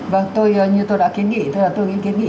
vâng tôi như tôi đã kiến nghị tôi nghĩ kiến nghị